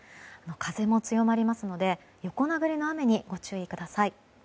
風も強まりますので横殴りの雨にご注意ください。